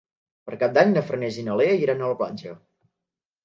Per Cap d'Any na Farners i na Lea iran a la platja.